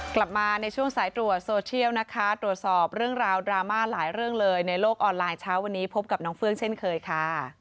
กลับมาในช่วงสายตรวจโซเชียลนะคะตรวจสอบเรื่องราวดราม่าหลายเรื่องเลยในโลกออนไลน์เช้าวันนี้พบกับน้องเฟื้องเช่นเคยค่ะ